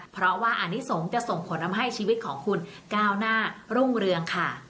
เพราะว่าอนิสงฆ์จะส่งผลทำให้ชีวิตของคุณก้าวหน้ารุ่งเรืองค่ะ